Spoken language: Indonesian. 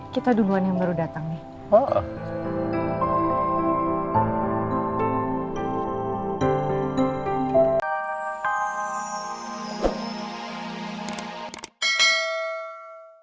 kita duluan yang baru datang nih